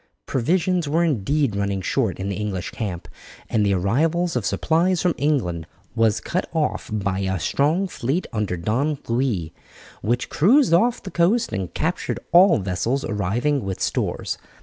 Provisions were indeed running short in the English camp, and the arrival of supplies from England was cut off by a strong fleet under Don Louis, which cruised off the coast and captured all vessels arriving with stores.